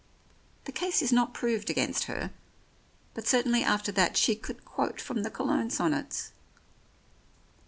The case is not proved against her, but certainly after that she could quote from the Cologne sonnets.